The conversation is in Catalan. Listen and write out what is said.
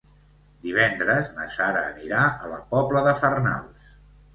Divendres na Sara anirà a la Pobla de Farnals.